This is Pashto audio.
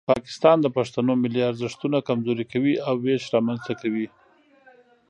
پاکستان د پښتنو ملي ارزښتونه کمزوري کوي او ویش رامنځته کوي.